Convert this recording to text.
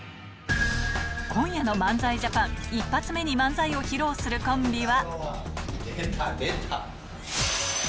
今夜の漫才ＪＡＰＡＮ、１発目に漫才を披露するコンビは。